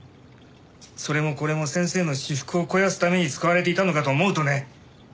それもこれも先生の私腹を肥やすために使われていたのかと思うとね。